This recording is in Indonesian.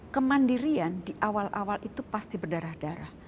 kemandirian di awal awal itu pasti berdarah darah